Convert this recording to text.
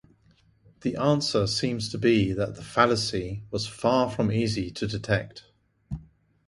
The answer seems to be that the fallacy was far from easy to detect.